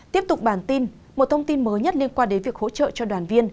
tiếp tục bản tin một thông tin mới nhất liên quan đến việc hỗ trợ cho đoàn viên